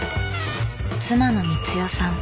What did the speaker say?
妻の光代さん。